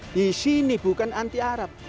di sini bukan anti arab